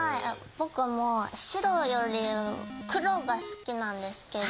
ボクも白より黒が好きなんですけど。